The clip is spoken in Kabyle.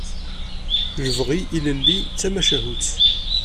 Lebɣi ilelli d tamacahut.